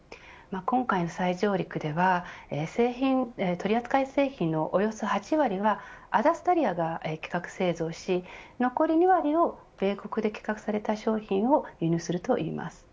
今回の再上陸では取り扱い製品のおよそ８割はアダストリアが企画、製造し残り２割を米国で企画された商品を輸入するといいます。